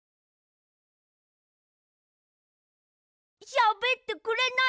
しゃべってくれない！